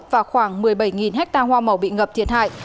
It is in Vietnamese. và khoảng một mươi bảy ha hoa màu bị ngập thiệt hại